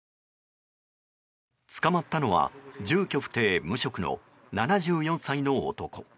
捕まったのは住居不定・無職の７４歳の男。